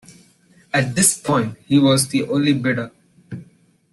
At this point, he was the only bidder.